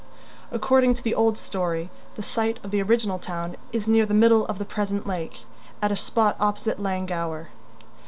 According to the old story the site of the original town is near the middle of the present lake, at a spot opposite Llangower.